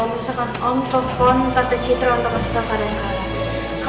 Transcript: kalau misalkan om telepon kata citra untuk kasih tau keadaan kamu